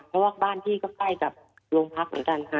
เพราะว่าบ้านพี่ก็ใกล้กับโรงพักเหมือนกันค่ะ